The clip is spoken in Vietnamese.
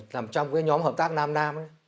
làm trong cái nhóm hợp tác nam nam